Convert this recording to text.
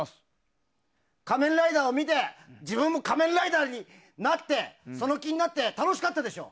「仮面ライダー」を見て自分も仮面ライダーになってその気になって楽しかったでしょ？